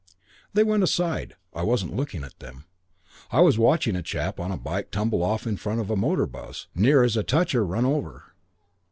"They went aside. I wasn't looking at them. I was watching a chap on a bike tumble off in front of a motor bus, near as a toucher run over.